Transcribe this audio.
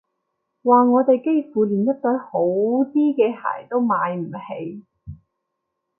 話我哋幾乎連一對好啲嘅鞋都買唔起